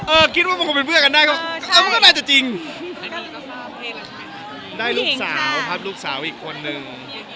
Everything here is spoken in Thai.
เออคิดว่มันคือเพื่อนกันได้ก็ได้จริงได้ลูกสาวอีกคนนึง